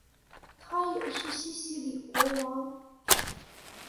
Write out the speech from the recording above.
他也是西西里国王。